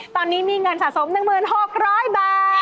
ตอนนี้มีเงินสะสม๑๖๐๐บาท